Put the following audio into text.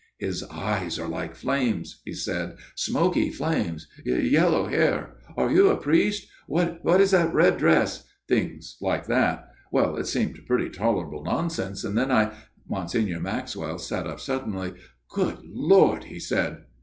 * His eyes are like flames,' he said, * smoky flames yellow hair Are you a priest ?... What is that red dress ? 'things like that. Well, it seemed pretty tolerable nonsense, and then I " Monsignor Maxwell sat up suddenly. " Good Lord !" he said.